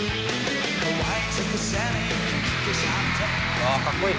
「わあかっこいい！」